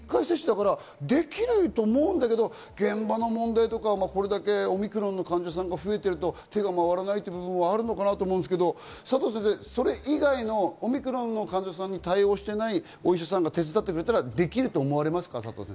できるとも思うけれども、現場の問題とか、オミクロンの患者さんが増えていると手が回らないという部分があるのかなと思うんですけれども、それ以外のオミクロンの患者さんに対応していないお医者さんが手伝ってくれたらできると思われますか？